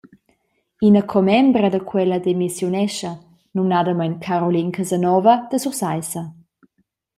Ina commembra da quella demissiunescha, numnadamein Caroline Casanova da Sursaissa.